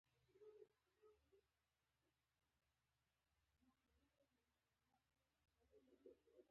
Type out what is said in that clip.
مولنا ته د ورځې درې روپۍ خرڅ حواله دي.